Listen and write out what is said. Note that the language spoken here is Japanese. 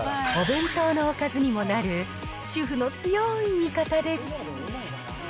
お弁当のおかずにもなる、主婦の強い味方です。